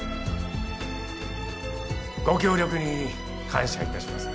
ご協力に感謝いたします。